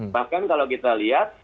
bahkan kalau kita lihat